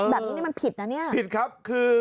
แบบนี้นี่มันผิดนะเนี่ยผิดครับคือ